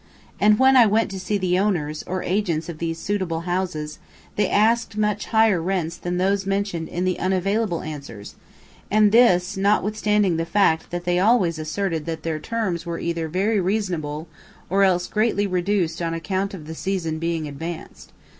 And when I went to see the owners, or agents of these suitable houses, they asked much higher rents than those mentioned in the unavailable answers and this, notwithstanding the fact that they always asserted that their terms were either very reasonable or else greatly reduced on account of the season being advanced.